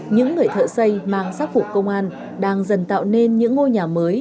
những người thợ xây mang sắc phục công an đang dần tạo nên những ngôi nhà mới